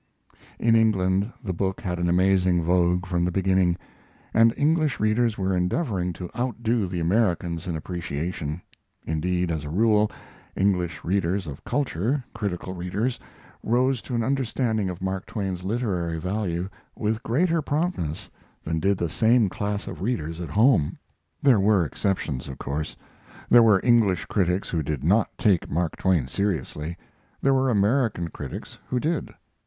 In England the book had an amazing vogue from the beginning, and English readers were endeavoring to outdo the Americans in appreciation. Indeed, as a rule, English readers of culture, critical readers, rose to an understanding of Mark Twain's literary value with greater promptness than did the same class of readers at home. There were exceptions, of course. There were English critics who did not take Mark Twain seriously, there were American critics who did.